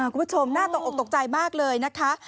คุณผู้ชมน่าตกออกตกใจมากเลยนะคะ